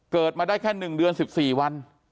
เกิดมาได้แค่๑เดือน๑๔วัน